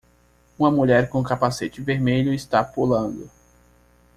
Uma mulher com um capacete vermelho está pulando.